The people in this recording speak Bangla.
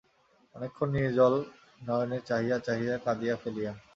অনেকক্ষণ নির্জল নয়নে চাহিয়া চাহিয়া, কাঁদিয়া ফেলিয়া।